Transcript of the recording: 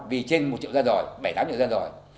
vì trên một triệu ra rồi bảy tám triệu ra rồi